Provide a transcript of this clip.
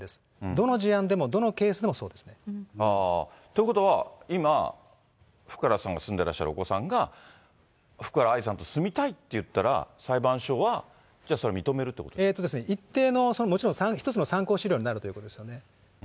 どの事案でも、どのケースでもそうです。ということは、今、福原さんが住んでらっしゃるお子さんが、福原愛さんと住みたいって言ったら、裁判所はじゃあそれ、認める一定の、もちろん一つの参考資料になるということですよね。